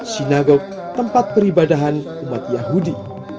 sinagok tempat peribadahan umat yahudi